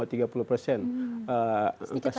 angka stunting di kota